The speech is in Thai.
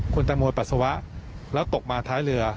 คุณตังโมปัสสาวะแล้วตกมาท้ายเรือ